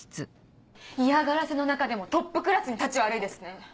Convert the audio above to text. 嫌がらせの中でもトップクラスにタチ悪いですね。